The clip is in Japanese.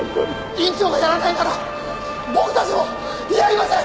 院長がやらないなら僕たちもやりません！